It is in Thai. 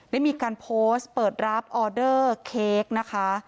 ได้มีการโพสต์เปิดรับออเดอร์เค้กนะคะ